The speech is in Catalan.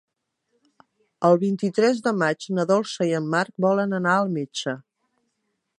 El vint-i-tres de maig na Dolça i en Marc volen anar al metge.